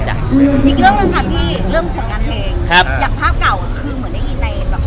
อย่างภาพเก่าคือเหมือนได้ยินในละครผมทำลักปั้นมาแล้ว